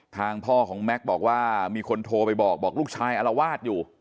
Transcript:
ทางพ่อของแม็กซ์บอกว่ามีคนโทรไปบอกบอกลูกชายอารวาสอยู่